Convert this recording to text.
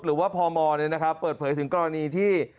หรือว่าพมเปิดเผยถึงกรณีที่